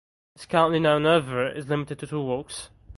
His currently known oeuvre is limited to two works.